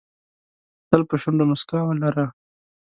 تل په شونډو موسکا ولره .